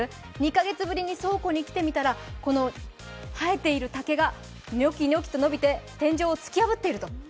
２カ月ぶりに倉庫に来てみたら生えている竹がにょきにょきと伸びて天井を突き破っていると。